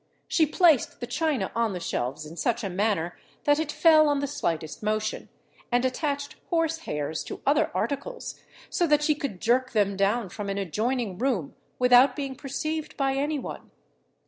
She placed the china on the shelves in such a manner that it fell on the slightest motion, and attached horse hairs to other articles, so that she could jerk them down from an adjoining room without being perceived by any one.